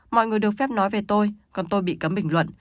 mọi người được phép nói về tôi còn tôi bị cấm bình luận